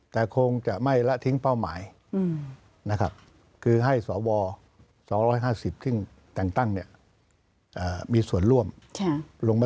แต่คงจะไม่ละทิ้งเป้าหมายนะครับคือให้สว๒๕๐ซึ่งแต่งตั้งเนี่ยมีส่วนร่วมลง